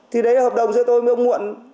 thì đấy là hợp đồng giữa tôi với ông muộn